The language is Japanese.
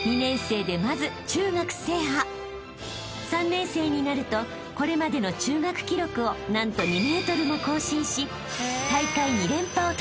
［３年生になるとこれまでの中学記録を何と２ｍも更新し］